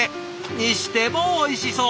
にしてもおいしそう！